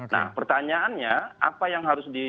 nah pertanyaannya apa yang harus di